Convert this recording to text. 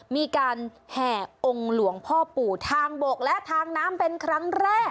มีการแห่องค์หลวงพ่อปู่ทางบกและทางน้ำเป็นครั้งแรก